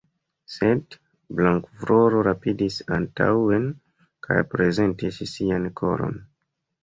Sed Blankafloro rapidis antaŭen kaj prezentis sian kolon.